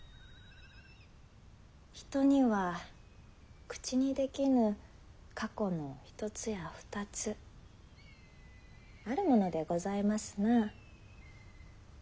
人には口にできぬ過去の一つや二つあるものでございますな。